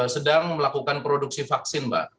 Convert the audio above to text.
sedang melakukan produksi vaksin mbak